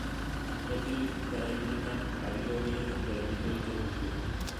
Tokirik garaienetan, balio horiek gainditu egiten ditu.